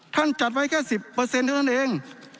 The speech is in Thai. ท่านจัดไว้แค่สิบเปอร์เซ็นต์เท่านั้นเอง